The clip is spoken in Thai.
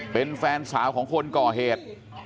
เป็นแฟนสาวของคนก่อเหตุ